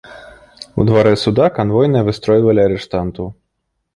У дварэ суда канвойныя выстройвалі арыштантаў.